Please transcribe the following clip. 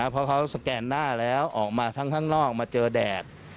เพราะเขาสแกนหน้าแล้วออกมาทั้งข้างนอกมาเจอแดด